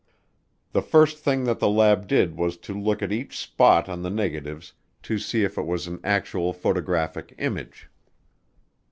The first thing that the lab did was to look at each spot on the negatives to see if it was an actual photographic image.